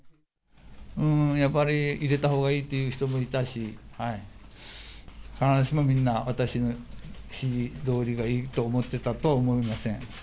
やっぱり入れたほうがいいっていう人もいたし、必ずしもみんな、私の指示どおりがいいと思ってたとは思いません。